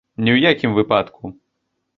Ні ў якім выпадку!